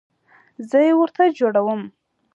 زه یې ورته جوړوم